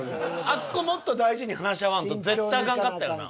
あっこもっと大事に話し合わんと絶対あかんかったよな。